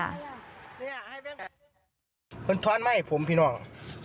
เงินทอนไม่ผมพี่น้อง